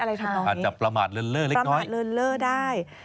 อาจจะประมาทเลิ่นเลิ่นเล็กน้อยประมาทเลิ่นเลิ่นได้